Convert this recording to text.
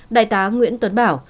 đại tá nguyễn tuấn bảo